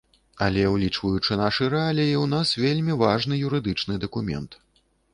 Але, улічваючы нашы рэаліі, у нас вельмі важны юрыдычны дакумент.